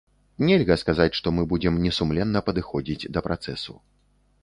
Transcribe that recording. Нельга сказаць, што мы будзем несумленна падыходзіць да працэсу.